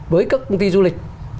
với các công ty du lịch